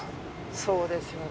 そうですよね。